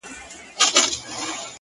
کندهارۍ سترگي دې د هند د حورو ملا ماتوي-